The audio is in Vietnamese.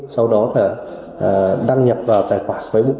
sau đó là đăng nhập vào tài khoản máy bụng